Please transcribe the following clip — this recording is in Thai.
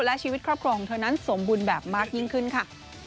และชีวิตครอบครัวของเธอนั้นสมบูรณ์แบบมากยิ่งขึ้นค่ะ